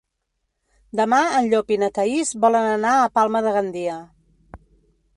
Demà en Llop i na Thaís volen anar a Palma de Gandia.